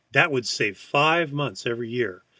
That would save five months every year.